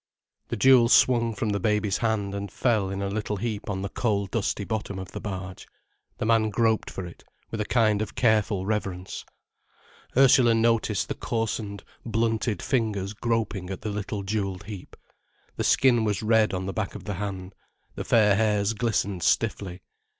The jewel swung from the baby's hand and fell in a little heap on the coal dusty bottom of the barge. The man groped for it, with a kind of careful reverence. Ursula noticed the coarsened, blunted fingers groping at the little jewelled heap. The skin was red on the back of the hand, the fair hairs glistened stiffly.